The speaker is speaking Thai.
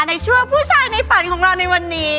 ช่วงผู้ชายในฝันของเราในวันนี้